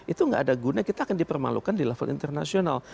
itu nggak ada guna kita akan dipermalukan di level internasional